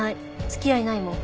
付き合いないもん。